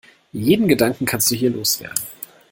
Jeden Gedanken kannst du hier los werden.